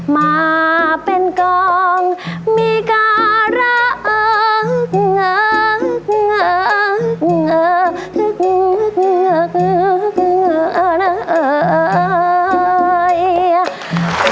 มาเป็นกองมีการะเอิง